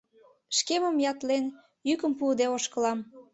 Шкемым ятлен, йӱкым пуыде ошкылам.